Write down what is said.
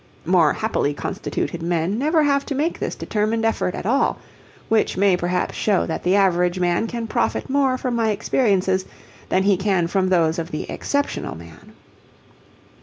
More happily constituted men never have to make this determined effort at all which may perhaps show that the average man can profit more from my experiences than he can from those of the exceptional man.